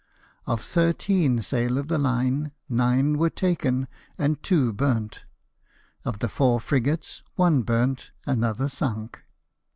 Of thirteen sail of the line, nine were taken and two burnt ; of the four frigates, one burnt, another sunk.